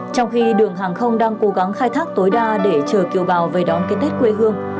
trong khi đường hàng không đang cố gắng khai thác tối đa để chờ kiều bào về đón cái tết quê hương